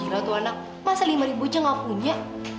gila itu anak masa rp lima saja tidak punya